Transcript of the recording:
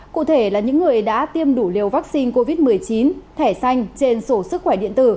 cụ thể là những người đã tiêm đủ liều vaccine covid một mươi chín thẻ xanh trên sổ sức khỏe điện tử